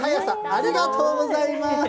ありがとうございます。